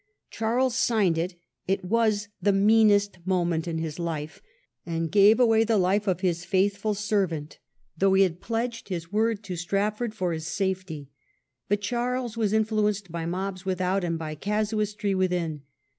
Charles signed it — it was the meanest moment in his life — ^and gave away the life of his faithful servant, though he had pledged his word to Strafford for his safety: but Charles was influenced by mobs without and by casuistry within.